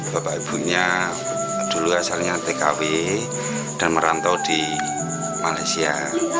bapak ibunya dulu asalnya tkw dan merantau di malaysia